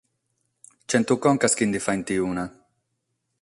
Chentu concas chi nde faghent una.